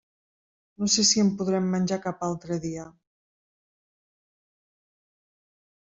No sé si en podrem menjar cap altre dia.